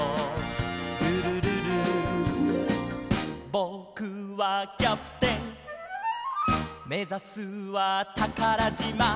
「ぼくはキャプテンめざすはたからじま」